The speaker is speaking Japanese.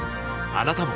あなたも